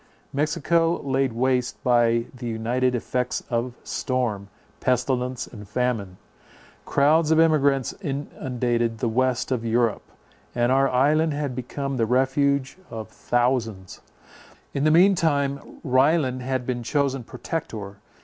Mexico laid waste by the united effects of storm, pestilence and famine. Crowds of emigrants inundated the west of Europe; and our island had become the refuge of thousands. In the mean time Ryland had been chosen Protector.